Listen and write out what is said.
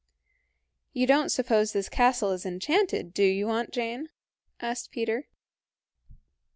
"You don't suppose this castle is enchanted, do you, Aunt Jane?" asked Peter.